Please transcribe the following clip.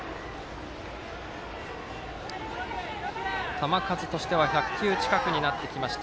球数が１００球近くになってきました。